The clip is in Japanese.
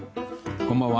こんばんは。